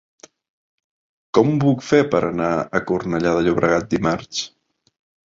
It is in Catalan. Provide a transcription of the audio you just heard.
Com ho puc fer per anar a Cornellà de Llobregat dimarts?